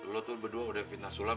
lo tuh berdua udah fitnah sulam